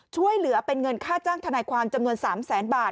ช่วยเหลือเป็นเงินค่าจ้างทนายความจำนวน๓แสนบาท